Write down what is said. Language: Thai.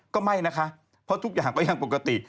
ก็ไม่นะคะเพราะทุกอย่างก็ยังปกติ